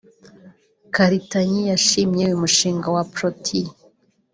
Karitanyi yashimye uyu mushinga wa Protea